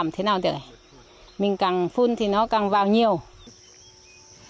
một vụ ngô đang mùa vào hạt chắc thì bị cao cào ăn trụ hết lá